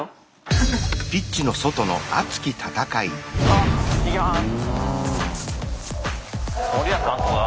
あっ行きます。